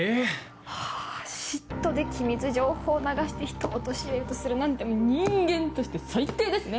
ハァ嫉妬で機密情報流してひとを陥れようとするなんて人間として最低ですね！